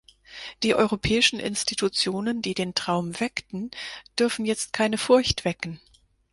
Die europäischen Institutionen, die den Traum weckten, dürfen jetzt keine Furcht wecken.